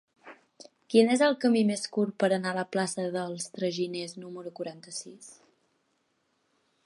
Quin és el camí més curt per anar a la plaça dels Traginers número quaranta-sis?